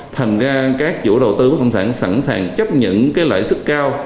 thành ra các chủ đầu tư bất động sản sẵn sàng chấp nhận lãi sức cao